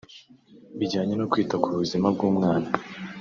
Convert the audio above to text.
bijyanye no kwita ku buzima bw’umwana